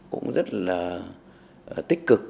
cũng rất là tích cực